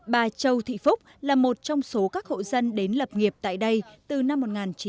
bà châu thị phúc là một trong số các hộ dân đến lập nghiệp tại đây từ năm một nghìn chín trăm bảy mươi